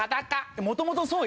もともとそうよ。